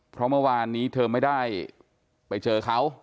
เพราะเมื่อวานนี้เธอไม่ได้ไปเจอเขา